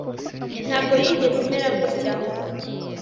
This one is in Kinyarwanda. ntabwo yigeze imera gutya